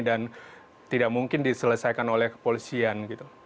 dan tidak mungkin diselesaikan oleh kepolisian